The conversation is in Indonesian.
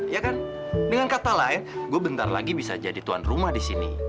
ya kan dengan kata lain gue bentar lagi bisa jadi tuan rumah di sini